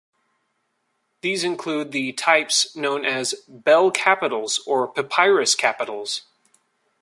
These include the types known as "bell capitals" or "papyrus capitals".